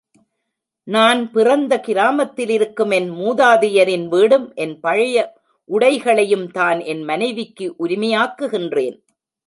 நான் பிறந்த கிராமத்திலிருக்கும் என் மூதாதையரின் வீடும், என் பழைய உடைகளையுந்தான் என் மனைவிக்கு உரிமையாக்குகின்றேன்.